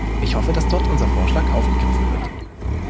Ich hoffe, dass dort unser Vorschlag aufgegriffen wird.